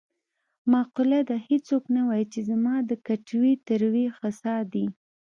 معقوله ده: هېڅوک نه وايي چې زما د کټوې تروې خسا دي.